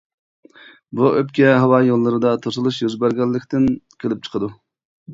بۇ ئۆپكە ھاۋا يوللىرىدا توسۇلۇش يۈز بەرگەنلىكتىن كېلىپ چىقىدۇ.